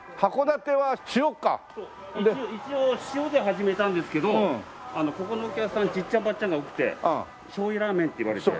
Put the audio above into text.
一応塩で始めたんですけどここのお客さんじっちゃんばっちゃんが多くて醤油ラーメンって言われて。